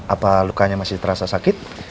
apa lukanya masih terasa sakit